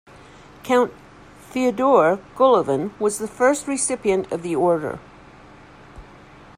Count Fyodor Golovin was the first recipient of the order.